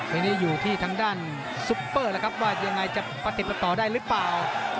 ทีนี้อยู่ที่ทางด้านซุปเปอร์ว่ายังไงจะปฏิบต่อได้หรือเปล่า